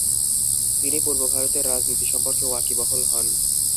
তিনি পূর্ব ভারতের রাজনীতি সম্পর্কে ওয়াকিবহল হন।